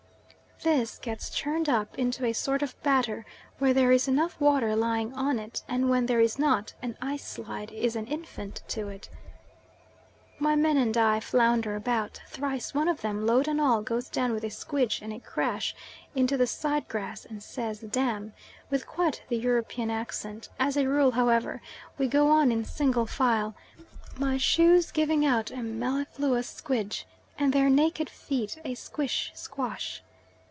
This gets churned up into a sort of batter where there is enough water lying on it, and, when there is not, an ice slide is an infant to it. My men and I flounder about; thrice one of them, load and all, goes down with a squidge and a crash into the side grass, and says "damn!" with quite the European accent; as a rule, however, we go on in single file, my shoes giving out a mellifluous squidge, and their naked feet a squish, squash.